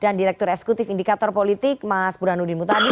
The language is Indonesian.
dan direktur eksekutif indikator politik mas burhanuddin mutadi